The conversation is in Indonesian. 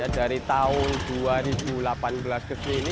dari tahun dua ribu delapan belas ke sini